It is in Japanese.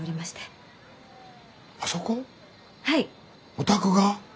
お宅が？